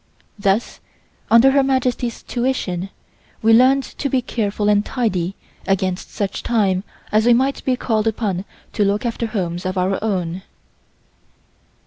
Thus under Her Majesty's tuition we learned to be careful and tidy against such time as we might be called upon to look after homes of our own.